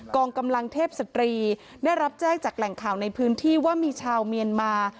กองกำลังเทพสตรีได้รับแจ้งจากแหล่งข่าวในพื้นที่ว่ามีชาวเมียนมา